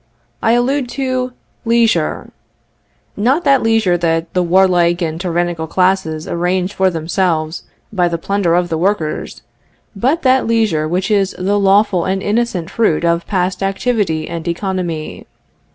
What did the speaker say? I allude to leisure: not that leisure that the warlike and tyrannical classes arrange for themselves by the plunder of the workers, but that leisure which is the lawful and innocent fruit of past activity and economy.